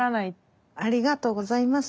ありがとうございます。